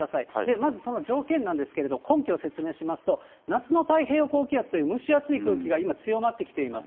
まずその条件なんですけれど、根拠を説明しますと、夏の太平洋高気圧という蒸し暑い空気が今、強まってきています。